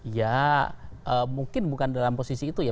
ya mungkin bukan dalam posisi itu ya